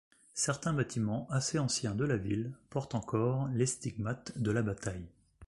Certains bâtiments assez anciens de la ville portent encore les stigmates de la bataille.